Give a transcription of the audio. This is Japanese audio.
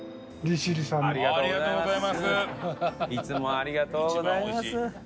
ありがとうございます。